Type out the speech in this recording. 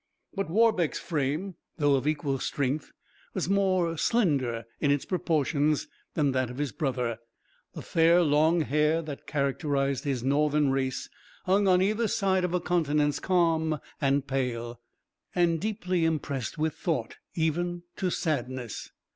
But Warbeck's frame, though of equal strength, was more slender in its proportions than that of his brother; the fair long hair that characterised his northern race hung on either side of a countenance calm and pale, and deeply impressed with thought, even to sadness.